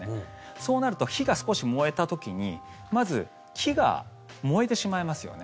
そうなると、火が少し燃えた時にまず木が燃えてしまいますよね。